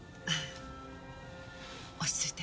落ち着いて。